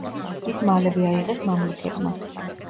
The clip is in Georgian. ის მალევე აიღეს მამლუქებმა.